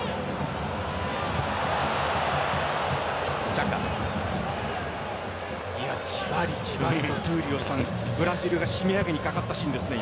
じわりじわりと闘莉王さん、ブラジルが締め上げにかかったシーンですね。